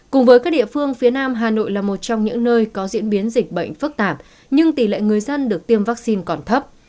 cùng với các địa phương phía nam hà nội là một trong những nơi có diễn biến dịch bệnh phức tạp nhưng tỷ lệ người dân được tiêm vaccine còn thấp